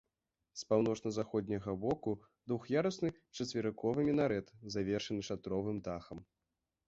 З паўночна-заходняга боку двух'ярусны чацверыковы мінарэт, завершаны шатровым дахам.